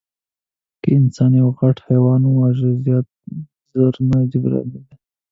که انسان یو غټ حیوان واژه، زیان ژر نه جبرانېده.